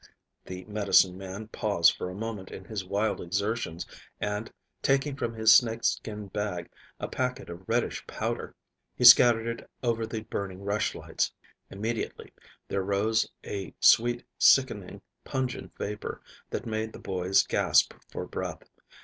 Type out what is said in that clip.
The medicine man paused for a moment in his wild exertions, and, taking from his snakeskin bag a packet of reddish powder, he scattered it over the burning rushlights. Immediately there rose a sweet, sickening, pungent vapor, that made the boys gasp for breath.